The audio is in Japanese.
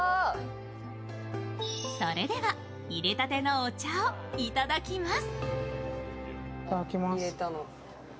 それでは入れたてのお茶をいただきます。